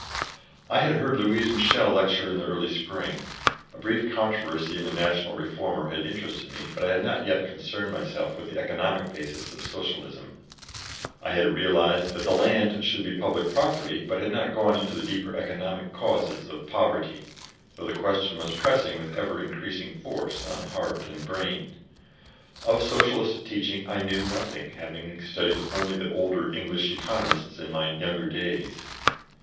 I had heard Louise Michelle lecture in the early spring; a brief controversy in the National Reformer had interested me, but I had not yet concerned myself with the economic basis of Socialism; I had realised that the land should be public property, but had not gone into the deeper economic causes of poverty, though the question was pressing with ever increasing force on heart and brain. Of Socialist teaching I knew nothing, having studied only the older English Economists in my younger days.